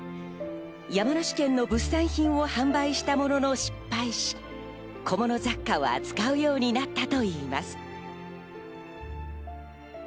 山梨県の物産品を販売したものの失敗し、小物雑貨を扱うようになったといいます。